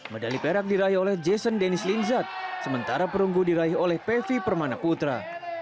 medali perak diraih oleh jason denice linzat sementara perunggu diraih oleh pevi permana putra